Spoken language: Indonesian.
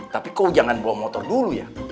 tapi kok jangan bawa motor dulu ya